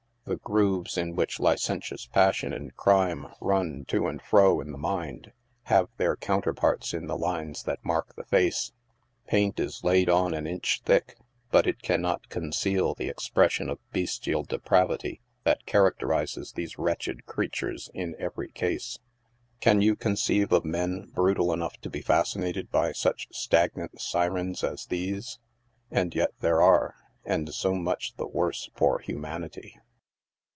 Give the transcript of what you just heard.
Ihe grooves in which licentious passion and crime run to and fro in the mind, have their counterparts in the lines that mark the face. Paint is laid on an inch thick, but it can not conceal the expression of bestial depravity that characterises these wretched creatures in every case. Can you conceive of men brutal enough to be fascinated by such stagnant syrens as these ? And yet there are — and so much the worse for humanity.